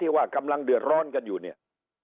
ว่ากำลังเดือดร้อนกันอยู่เนี่ย